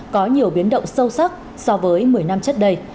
có nhiều biến động sâu sắc so với một mươi năm trước đây